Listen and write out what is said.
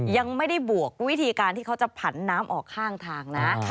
ยังไม่ได้บวกวิธีการที่เขาจะผันน้ำออกข้างทางนะ